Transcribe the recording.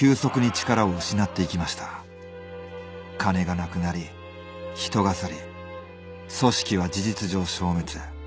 金が無くなり人が去り組織は事実上消滅。